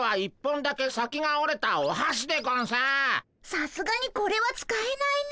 さすがにこれは使えないね。